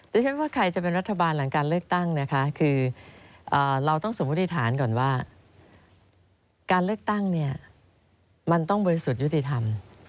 ฉันว่าใครจะเป็นรัฐบาลหลังการเลือกตั้งนะคะคือเราต้องสมมุติฐานก่อนว่าการเลือกตั้งเนี่ยมันต้องบริสุทธิ์ยุติธรรม